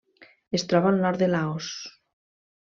Es troba al nord de Laos.